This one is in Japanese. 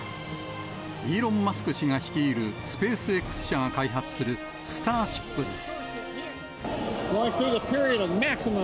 イーロン・マスク氏が率いるスペースＸ社が開発するスターシップです。